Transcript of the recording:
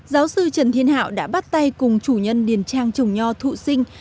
giáo sư trần thiên hảo đã bắt tay cùng chủ nhân điền trang trồng nho thụ sinh